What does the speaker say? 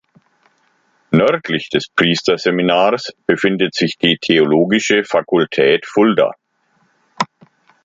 Nördlich des Priesterseminars befindet sich die Theologische Fakultät Fulda.